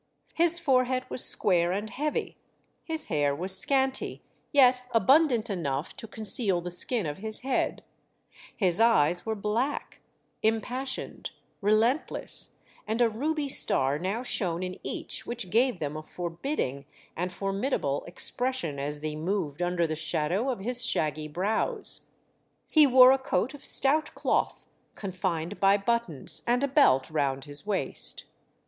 His forehead was square and heavy, his hair was scanty, yet abundant enough to conceal the skin of his head ; his eyes were black, impassioned, relentless, and a ruby star now shone in each which gave them a forbidding and formidable expression as they moved under the shadow of his shaggy brows. He wore a coat of stout cloth 92 THE DEATH SHIP. confined by buttons, and a belt round his waist.